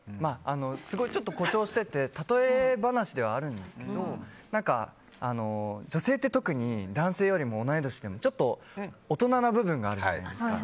ちょっと誇張しててたとえ話ではあるんですけど女性って特に男性よりも同い年でもちょっと大人な部分があるじゃないですか。